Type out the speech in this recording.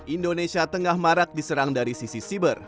indonesia tengah marak diserang dari sisi siber